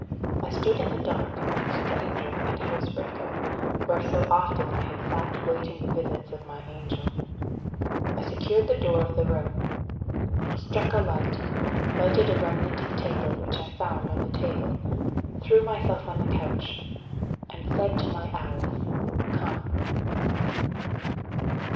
I stood in the dark, a stranger and housebreaker, where so often I had sat waiting the visits of my angel. I secured the door of the room, struck a light, lighted a remnant of taper which I found on the table, threw myself on the couch, and said to my Alice "Come."